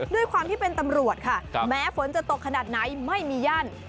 ด้วยความที่เป็นตำรวจค่ะแม้ฝนจะตกขนาดไหนไม่มีย่าน